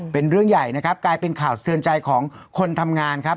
เป็นเรื่องใหญ่นะครับกลายเป็นข่าวเตือนใจของคนทำงานครับ